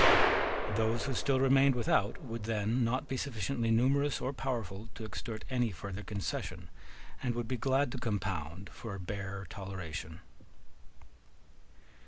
Those who still remained without would then not be sufficiently numerous or powerful to extort any further concession, and would be glad to compound for a bare toleration.